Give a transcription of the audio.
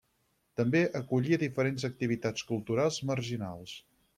També acollia diferents activitats culturals marginals.